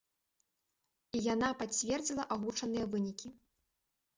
І яна пацвердзіла агучаныя вынікі.